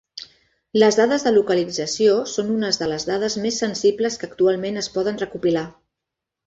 Les dades de localització són unes de les dades més sensibles que actualment es poden recopilar.